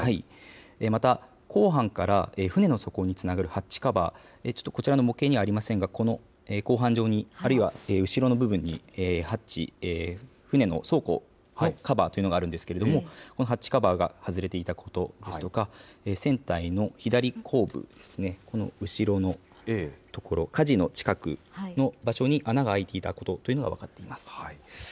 また、甲板から船の底につながるハッチカバー、ちょっとこちらの模型にはありませんが、この甲板上に、あるいは後ろの部分にハッチ、船の倉庫のカバーというのがあるんですけれども、このハッチカバーが外れていたことですとか、船体の左後部ですね、この後ろの所、かじの近くの場所に穴が開いていたことというのが分かっています。